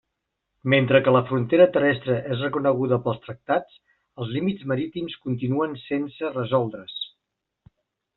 Mentre que la frontera terrestre és reconeguda pels tractats, els límits marítims continuen sense resoldre's.